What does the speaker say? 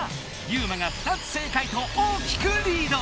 ユウマが２つ正解と大きくリード！